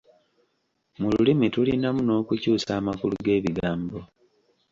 Mu lulimi tulinamu n’okukyusa amakulu g’ebigambo.